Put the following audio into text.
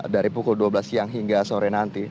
dari pukul dua belas siang hingga sore nanti